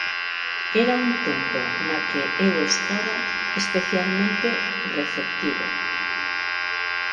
Era un tempo na que eu estaba especialmente receptivo.